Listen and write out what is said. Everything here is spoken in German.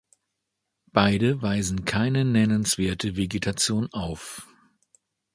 Beide weisen keine nennenswerte Vegetation auf.